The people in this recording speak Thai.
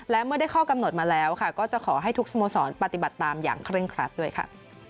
และเมื่อได้ข้อกำหนดมาแล้วก็จะขอให้ทุกสโมสรปฏิบัติตามอย่างเคร่งครัดด้วยค่ะ